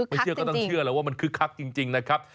เชื่อก็ต้องเชื่อแล้วว่ามันคึกคักจริงนะครับ